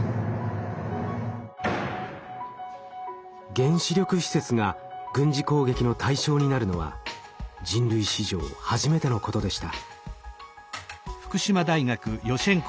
原子力施設が軍事攻撃の対象になるのは人類史上初めてのことでした。